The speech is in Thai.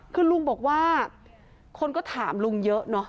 คือลุงบอกว่าคนก็ถามลุงเยอะเนอะ